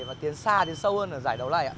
và tiến xa tiến sâu hơn ở giải đấu này